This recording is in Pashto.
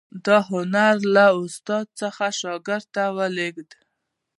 دا هنر له استاد څخه شاګرد ته لیږدید.